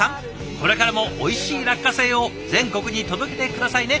これからもおいしい落花生を全国に届けて下さいね。